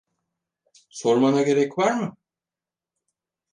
Sormana gerek var mı?